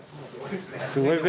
すごいべ。